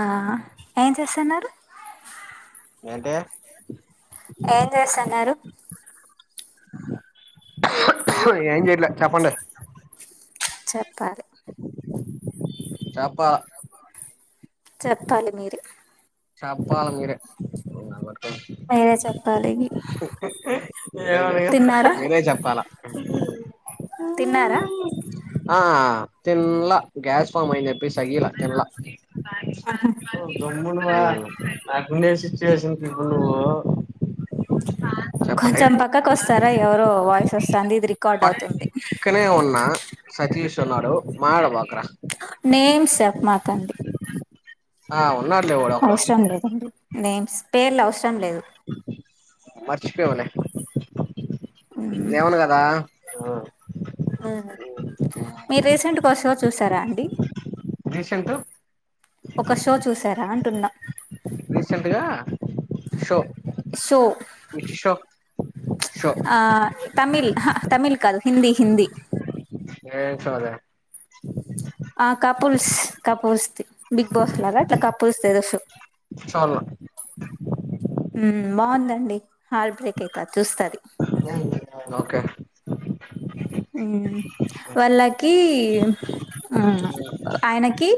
ఆ ఏం చేస్తున్నారు ఏంటే ఏం చేస్తున్నారు ఏం చేయట్ల చెప్పండి చెప్పాల్ చెప్పా చెప్పాలి మీరె షా చెప్పాల మీరే మీరే చెప్పాలి తిన్నారా మీరే చెప్పాల తిన్నారా ఆ తిన్లా గ్యాస్ ఫామ్ అయ్యిందని చెప్పిసి అగీల తిన్ల రా [unintelligible] [unintelligible] నా కుండె సిచువేషన్ కి ఇప్పుడు నువ్వు చెప్పండి కొంచెం పక్కకు వస్తారా ఎవరో వాయిస్ వస్తుంది ఇది రికార్డ్ అవుతుంది పక్కనే ఉన్న సతీష్ ఉన్నాడు మాటాడబాకరా నేమ్ సెప్ మాకండి ఆ ఉన్నాడ్లే వాడ అవసరం లేదండి నేమ్స్ పేర్లు అవస్ ఇష్టం లేదు మర్చిపోవెనే నెమను కదా ఆ మీరు రీసెంట్ గొ షొషు చూసారా అండి రీసెంట్ ఒక షో చూసారా అంటున్నా రీసెంట్ గా షో షో ఇష్షో ఆ తమిల్ అహా తమిళ్ కాదు హిందీ హిందీ ఏడ్ చావులే ఆ కపుల్స్ కపుల్స్ది బిగ్ బాస్ లాగా అట్లా కపుల్స్ తెలుసు చాల్ న ఉ బాగుందండి హార్ట్ బ్రేక్ అయితాది ఓకే ఉమ్ వాళ్ళకి ఆయనకి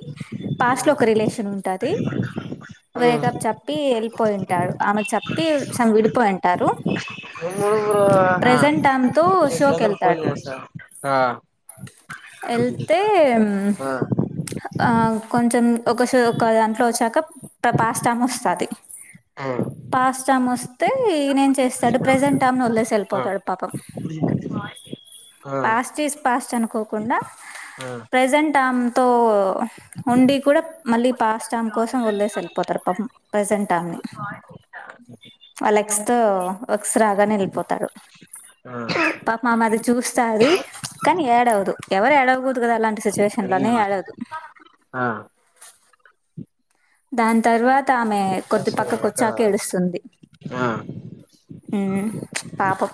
పాస్ట్ లో ఒక రిలేషన్ ఉంటాది ఆ ఆ ఆ ఆ వే ఆ కప్ చప్పి ఎల్ పోయింటాడు ఆమె చెప్పి సమ్ విడిపోయింటారు ప్రెజెంట్ ఆమ తూ షో కెళ్తాడు ఎళ్తే ఆ కొంచెం ఒక షో ఒక దాంట్లో వచ్చాక త పాశ్తాము వస్తది పాశ్తామొస్ అయితే నేం చేస్తాడు ప్రెజెంట్ ఆమెను వదిలేసి ఆ వెళ్ళిపోతాడు పాపం పాస్ట్స్ పాస్ట్ అనుకోకుండా ప్రెజెంట్ ఆ ఉండి కూడా మళ్ళీ పాస్ట్ టామ్ కోసం వదసి వెళ్ళిపోతారు పాప ప్రసెంట్ టామ్ ని వాళ్ళ ఎక్స్ తో ఎక్స్ రాగానే వెళ్ళిపోతారు ఆ పాప మా మది వస్తుధి కానీ ఎడవదు ఎవరు ఎడ కదా అలాంటి సిచ్యువేషన్ లోనే ఎడవధు ఆ ఆ దాన్ తర్వాత ఆమె కొద్దిపక్కకి ఇంకా వచ్చాక ఏడుస్తుంది. ఉ పాపం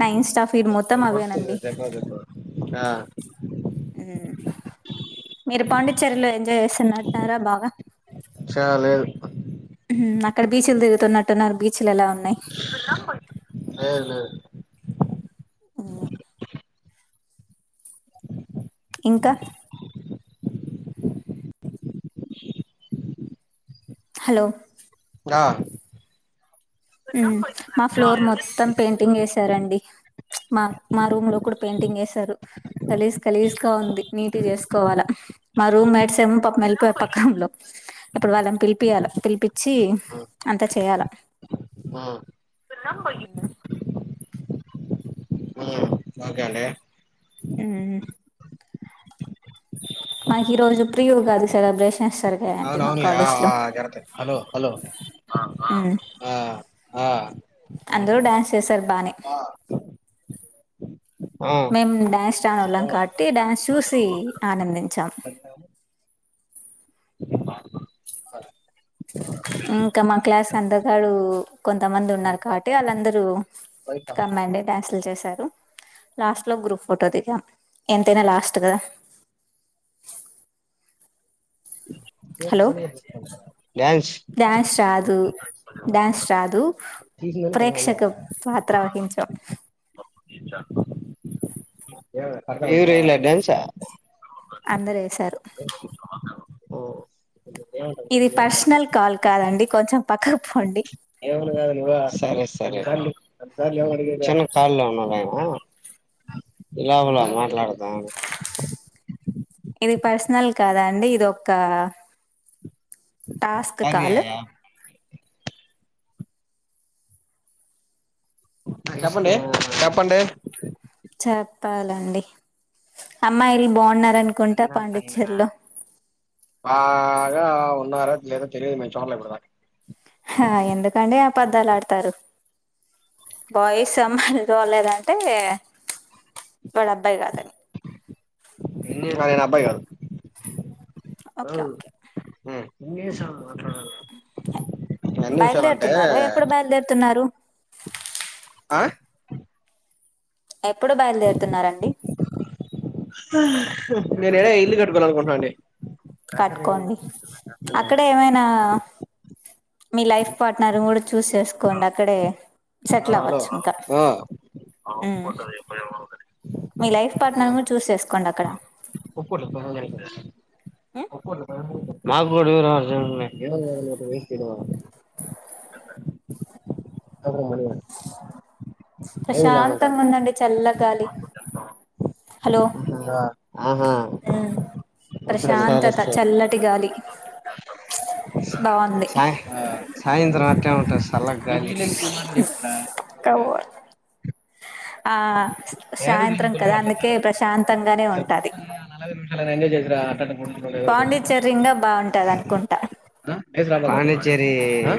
నా ఇన్స్టాఫ్ [unintelligible] మొత్తం పడుతుంది అవేనండి. దగ్గర దగ్గర ఆ ఉమ్ నాట్నార బాగా చా లేదు అక్కడ బీచ్ లు తిరుగుతున్నట్టున్నారు బీచ్ లేదు లేదు ఇంగా ఇంకా [inaudible] హలో ఆ ఉమ్ మా ఫ్లోర్ మొత్తం పెయింటింగ్ చేసి సరే అండి మా మా రూమ్ లో కూడా పెయింటింగ్ వసారు కలీసి కలీజగా ఉంది నీటి చేసుకోవాలా మా రూమ్ మేట్స్ ఏమో మళ్ళిపోయ పక్కంలో ఇప్పుడు వాళ్ళని పిలిపియాల పిలిపచ్చి అంత చేయాల ఆ అవునా ఉమ్ ఓకే అండీ ఉమ్ మాకి ఇరోజు ప్రియయుగాది సెలబ్రేషన్ అవును అవునులే ఆ కరెక్ట్ ఏ హలో హలో ఆ ఆ అంద్రూ డ్యాన్స్ చేసారు బాని ఆ మేం డ్యాన్స్ స్టాన్ వాళ్ళం కాట్టి డ్యాన్స్ చూసి ఆనందించాం ఇంకా మా క్లాస్ అందగాడు కొంతమంది ఉన్నారు కాబట్టి వాళ్ళందరూ పైసా కమ్మడి డ్యాన్సులు చేసారు లాస్ట్ లో గ్రూప్ ఫోటో దిగాం ఎంతైనా లాస్ట్ కదా హలో డ్యాన్స ధు అ డ్యాన్స్ అదు ప్రేక్షక పాత్రవ ఇంచా ఇంచా ఇవి రలే డన్సా అందరేశారు ఇది పర్సనల్ కాల్ కాదండి కొంచెం పక్కకు పోండి సరే సరే చిన్న కాల్లో ఉన్నాడు ఆయన ఇలావలా మాట్లాడతా ఇది పర్సనల్ కాదా అండి ఇది ఒకా టాస్క్ కాాల చెప్పండి చెప్పండి చెప్పాలండి అమ్మాయిల్ బాగున్నారన్ బాగా ఉన్నర ఎదో తెలిదు మరీ చూడలే ఇప్పుడూ దాక ఆ ఎందుకండి ఆపద్దాలు ఆడతారు బాయస్ అమ్మలు రలేదంటే వాడు అబ్బాయి కాదని ఎన్నిం కా నేను అబ్బాయి గారు ఓకే అవును ఓకే హు ఇంగ్లీషా నిమిషాలు అంటే బయలుదేరుతున్నారా ఎప్పుడు బయలుదేరుతున్నారు ఆ ఎప్పుడు బయలుదేరుతున్నారంండి నేనునే ఇల్లు కటుకోవాల అనుకుంటన్నానడి కట్టుకోండి అక్కడే ఏమైనా మీ లైఫ్ పార్ట్నర్ కూడ చూస్ చేసుకోండి అక్కడే ఆ సెటిల్ హలో అవ్వచ్చు ఇంకా ఆ ఉమ్ మీ లైఫ్ పార్ట్నర్ ను చూస్ చేసుకో కొండ్ అక్కడ ఒప్పు ప ఉమ్ ఒప్పు ప మాకుడ [unintelligible] [unintelligible] [unintelligible] ప్రశాంతంగా ఉందండి చల్ గాలి హలో ఆహా హమ్ సరే సరే ప్రశాంతత చల్లటి గాలి బాగుంది షాయ సాయంత్రం ఉంటా సల్లగ్ గాలి కవోర్ ఆ నాకు తెలిసి సాయంత్రం బుల్ కదా అందుకే మాట్లాడినారు ప్రశాంతంగానే ఉంటది పాండిచ్చేరి ఇంకా బాగుంటది అనుకుంటా Pondicherry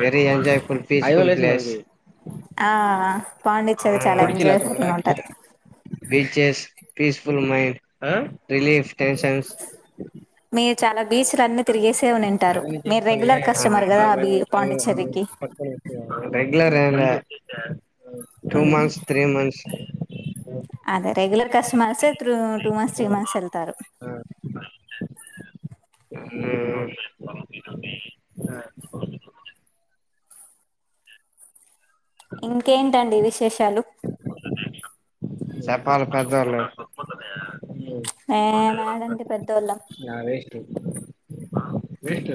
very enjoy full piece full place హమ్ ఆ అ పాండించ్చేరి చాలా ఎంజాయ్ [unintelligible] ఉంటది బీచెస్ పీస్ఫుల్ మైండ్ ఆ రిలీఫ్ టెన్షన్స్ మీరు చాలా బీస్ లన్ను కస్టమర్ కదా బి పాండిచ్చేరికి రెగులర్ తమైందా two um months three months కస్టమర్సే through two months three months ఎళ్తారు ఆ ఇంకేంటండి విశేషాలు మొదద ఏ మేడంటి పెద్దోళ్ళం ఎస్ మంట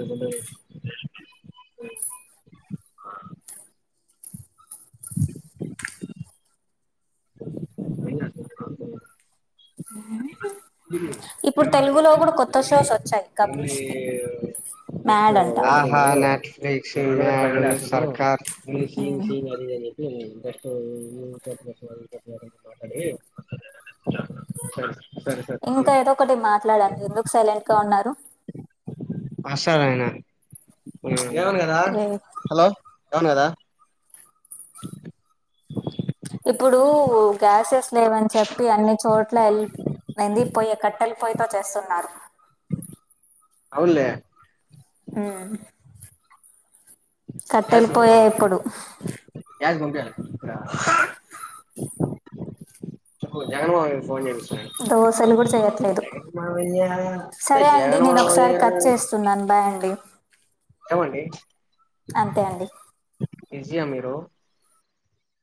హ్మ్ ఇప్పుడు తెలుగులో కూడా కొత్త షోస్ వచ్చాయి ఓన్లీ కపుల్స్ కి మ్యాడ్ అంట ఆహా [unintelligible] సింగ్ మాగ్ లా సర్కార్ అ సింగ్ ఉమ్. సింగ్ మరిద అస్టు మాట్లాడి సరే సరే ఇంకా ఏదో ఒకటి మాట్లాడా ఎందుకు సైలెంట్ గా ఉన్నారు వస్సారాయన రే [unintelligible] హలో అవును కదా ఇప్పుడు గ్యాసెస్ లేవని చెప్పి అన్ని చోట్ల ఎళ్ప్ ఏంది పొయ్య కట్టెలు పొయ్యతో చేస్తున్నారు అవునులే ఉమ్మ్ కట్టెలి గ్యాస్ పోయే ఇప్పుడు జను జగన్మామయ్య సరే అండి నేను ఒకసారి కట్ జగన్మామయ్య చేస్తున్నాను బాయ్ అండి ఏమండి అంతే అండి ఇ్జయా మీరు